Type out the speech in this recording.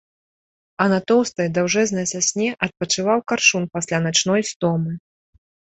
А на тоўстай даўжэзнай сасне адпачываў каршун пасля начной стомы.